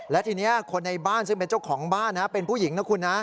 และทีนี้คนในบ้านซึ่งเป็นเจ้าของบ้านเป็นผู้หญิงนะคุณนะ